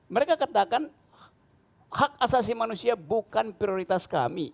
mereka katakan hak asasi manusia bukan prioritas kami